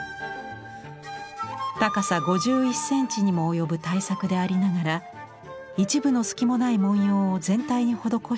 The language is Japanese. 高さ５１センチにも及ぶ大作でありながら一分の隙もない文様を全体に施した巧みなデザイン。